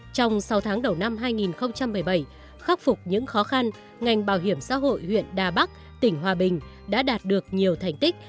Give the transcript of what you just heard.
trong sáu tháng đầu năm hai nghìn một mươi bảy khắc phục những khó khăn ngành bảo hiểm xã hội huyện đà bắc tỉnh hòa bình đã đạt được nhiều thành tích